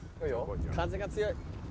風が強い。